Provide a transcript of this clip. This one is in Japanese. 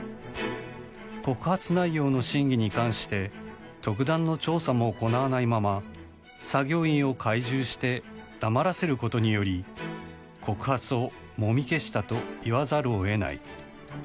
告発内容の真偽に関して特段の調査も行わないまま作業員を懐柔して黙らせることにより告発をもみ消したと言わざるを得ない。